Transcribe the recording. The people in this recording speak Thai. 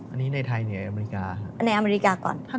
อันนี้ในไทยในอเมริกา